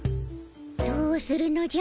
どうするのじゃ？